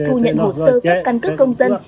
thu nhận hồ sơ cấp căn cước công dân